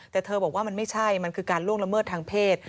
แต่เธอบอกว่ามันไม่ใช่มันคือการล่วงละเมิดทางเพศ